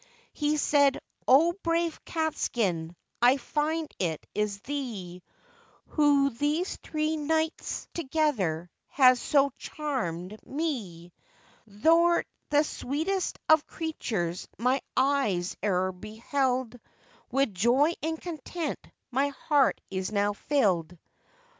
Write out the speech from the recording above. He said, 'O brave Catskin, I find it is thee, Who these three nights together has so charmèd me; Thou'rt the sweetest of creatures my eyes e'er beheld, With joy and content my heart now is filled.